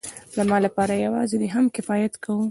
زما لپاره يوازې دې هم کفايت کاوه.